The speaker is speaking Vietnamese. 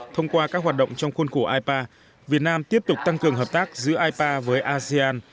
thông qua các hoạt động trong khuôn khổ ipa việt nam tiếp tục tăng cường hợp tác giữa ipa với asean